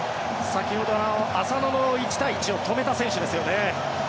先ほどの浅野の１対１を止めた選手ですよね。